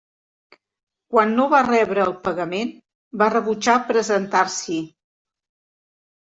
Quan no va rebre el pagament, va rebutjar presentar-s'hi.